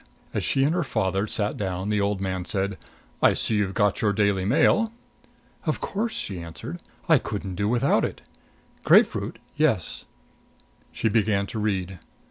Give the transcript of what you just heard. As she and her father sat down the old man said: "I see you've got your Daily Mail." "Of course!" she answered. "I couldn't do without it. Grapefruit yes." She began to read.